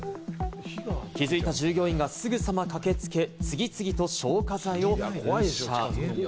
気づいた従業員がすぐさま駆けつけ、次々と消火剤を噴射。